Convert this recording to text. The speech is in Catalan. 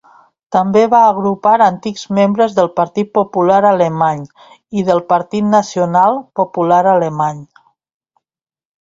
També va agrupar antics membres del Partit Popular Alemany i del Partit Nacional-Popular Alemany.